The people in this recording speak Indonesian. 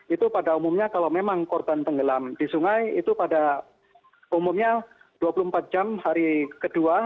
itu pada umumnya kalau memang korban tenggelam di sungai itu pada umumnya dua puluh empat jam hari kedua